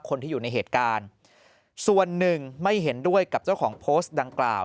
คนที่อยู่ในเหตุการณ์ส่วนหนึ่งไม่เห็นด้วยกับเจ้าของโพสต์ดังกล่าว